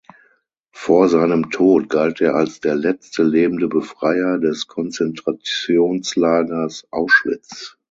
Vor seinem Tod galt er als der letzte lebende Befreier des Konzentrationslagers Auschwitz.